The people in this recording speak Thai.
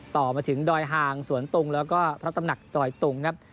ต่อมาถึงดอยหางสวนตุงแล้วก็พระตำหนักดอยตุงครับ